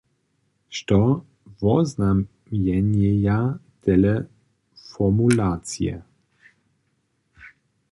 Što woznamjenjeja tele formulacije?